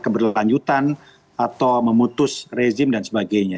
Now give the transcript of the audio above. keberlanjutan atau memutus rezim dan sebagainya